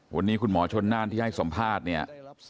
วันนี้คุณหมอชนน่านที่ให้สัมภาษณ์เนี่ย